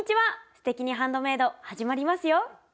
「すてきにハンドメイド」始まりますよ。